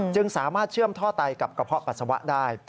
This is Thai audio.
จึงสามารถเชื่อมท่อไตกับกระเพาะปัสสาวะได้